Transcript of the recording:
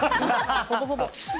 ほぼほぼ。